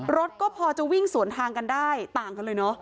รถก็พอจะวิ่งสวนทางกันได้ต่างกันเลยเนอะ